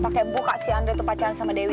pake buka si andretu pacaran sama dewi